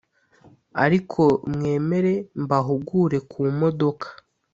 Ariko mwemere mbahugure kumodoka